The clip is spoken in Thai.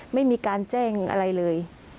ไม่มีการแจ้งอะไรเลย